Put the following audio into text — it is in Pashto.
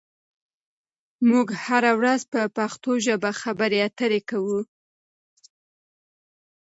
موږ هره ورځ په پښتو ژبه خبرې اترې کوو.